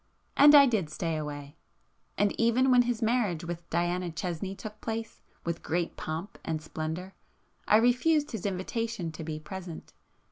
And I did stay away;—and even when his marriage with Diana Chesney took place with great pomp and splendour, I refused his invitation to be present.